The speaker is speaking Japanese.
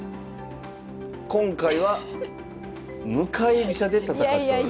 今回は向かい飛車で戦っております。